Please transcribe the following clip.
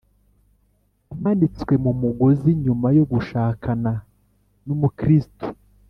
amanitswe mu mugozi nyuma yo gushakana n'umuchristu